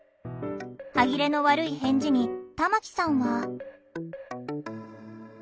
歯切れの悪い返事に玉木さんは。